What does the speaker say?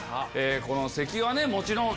この席はもちろん。